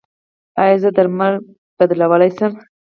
ایا زه درمل بدلولی شم؟